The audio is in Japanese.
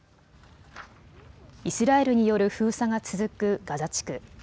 イスラエルによる封鎖が続くガザ地区。